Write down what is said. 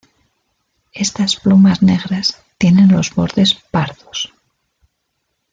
Estas plumas negras tienen los bordes pardos.